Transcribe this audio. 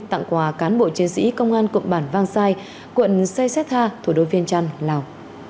tặng quà cán bộ chiến sĩ công an cộng bản vang sai quận say setha thủ đô viên trăn lào